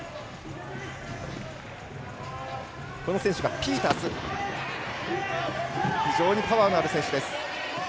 ピータース、非常にパワーのある選手です。